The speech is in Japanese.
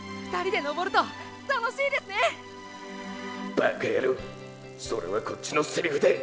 バカヤロウそれはこっちのセリフだ！